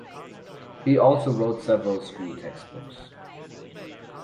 He also wrote several school textbooks.